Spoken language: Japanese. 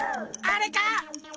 あれか？